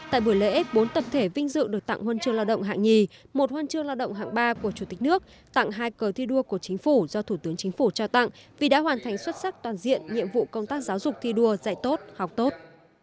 tại buổi lễ bốn tập thể vinh dự được tặng huân chương lao động hạng nhì một huân chương lao động hạng ba của chủ tịch nước tặng hai cờ thi đua của chính phủ do thủ tướng chính phủ trao tặng vì đã hoàn thành xuất sắc toàn diện nhiệm vụ công tác giáo dục thi đua dạy tốt học tốt